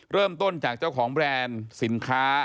เริ่มต้นจากเจ้าของแบรนด์สินค้า